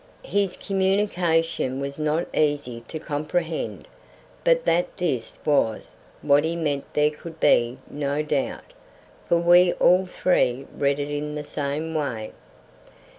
His communication was not easy to comprehend, but that this was what he meant there could be no doubt, for we all three read it in the same way.